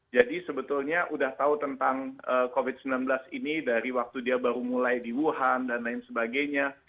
jadi sebetulnya sudah tahu tentang covid sembilan belas ini dari waktu dia baru mulai di wuhan dan lain sebagainya